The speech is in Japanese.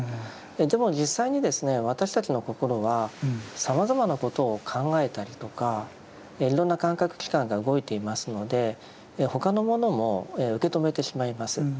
でも実際にですね私たちの心はさまざまなことを考えたりとかいろんな感覚器官が動いていますので他のものも受け止めてしまいます。